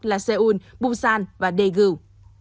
là seoul busan và daegu